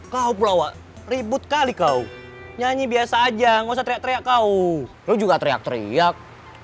kau pulau ribut kali kau nyanyi biasa aja nguset reka kau juga teriak teriak